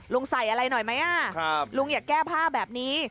ใส่อะไรหน่อยไหมลุงอยากแก้ผ้าแบบนี้